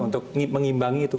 untuk mengimbangi itu